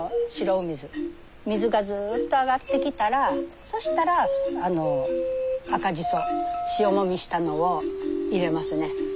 水がずっと上がってきたらそしたら赤じそ塩もみしたのを入れますね。